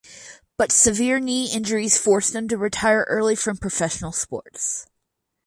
But severe knee injuries forced him to retire early from professional sports.